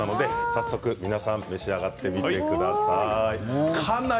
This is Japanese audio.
早速、皆さん召し上がってみてください。